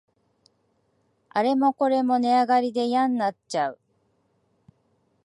あれもこれも値上がりでやんなっちゃう